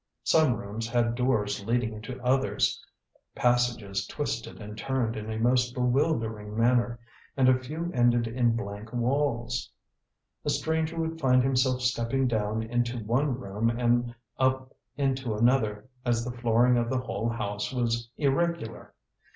Some rooms had doors leading into others, passages twisted and turned in a most bewildering manner, and a few ended in blank walls. A stranger would find himself stepping down into one room and up into another, as the flooring of the whole house was irregular.